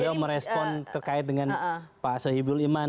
beliau merespon terkait dengan pak sohibul iman